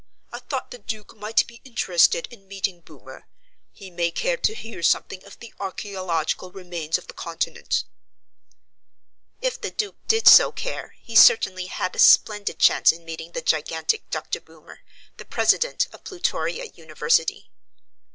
I thought the Duke might be interested in meeting Boomer. He may care to hear something of the archaeological remains of the continent." If the Duke did so care, he certainly had a splendid chance in meeting the gigantic Dr. Boomer, the president of Plutoria University.